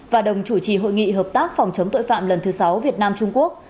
và đồng chủ trì hội nghị hợp tác phòng chống tội phạm lần thứ sáu việt nam trung quốc